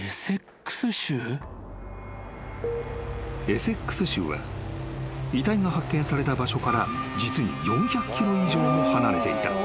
［エセックス州は遺体が発見された場所から実に４００ｋｍ以上も離れていた］